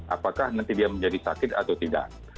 apakah nanti dia menjadi sakit atau tidak